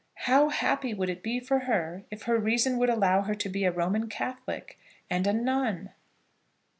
How happy would it be for her if her reason would allow her to be a Roman Catholic, and a nun!